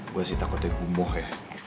gue sih takutnya kumuh ya